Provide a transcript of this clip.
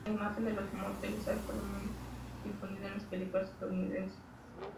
La imagen de los moteles ha estado muy difundida en las películas estadounidenses.